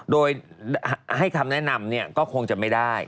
โดยให้คำแนะนำก็คงจะไม่ได้